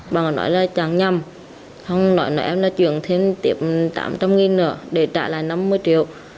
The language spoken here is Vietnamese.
bà nói là chẳng nhầm em là chuyển thêm tiệm tám trăm linh đồng để trả lại năm mươi triệu